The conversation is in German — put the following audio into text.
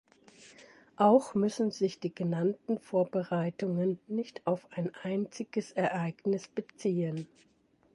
Auch müssen sich die genannten Vorbereitungen nicht auf ein einziges Ereignis beziehen.